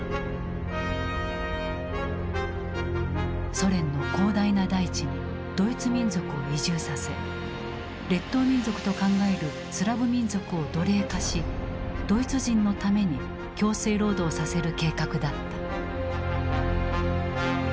ソ連の広大な大地にドイツ民族を移住させ劣等民族と考えるスラブ民族を奴隷化しドイツ人のために強制労働させる計画だった。